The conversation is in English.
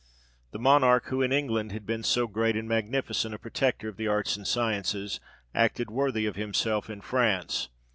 The Monarch, who in England had been so great and magnificent a protector of the arts and sciences, acted worthy of himself in France.